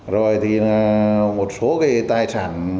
rồi thì là một số cái tài sản